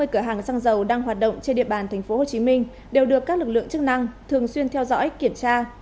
năm trăm năm mươi cửa hàng xăng dầu đang hoạt động trên địa bàn tp hcm đều được các lực lượng chức năng thường xuyên theo dõi kiểm tra